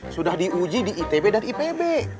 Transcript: sudah diuji di itb dan ipb